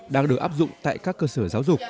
đang được áp dụng tại các cơ sở giáo dục